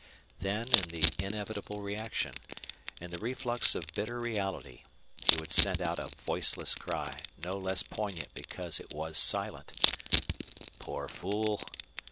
Then in the inevitable reaction, in the reflux of bitter reality, he would send out a voiceless cry no less poignant because it was silent: "Poor fool!